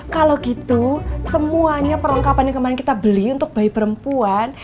kalo gitu semuanya perlengkapannya kemarin kita beli untuk bayi perempuan